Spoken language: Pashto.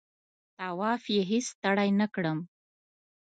طواف یې هېڅ ستړی نه کړم.